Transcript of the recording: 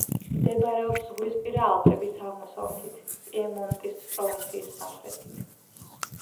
მდებარეობს ზღვისპირა ალპების აღმოსავლეთით, პიემონტის პროვინციის სამხრეთით.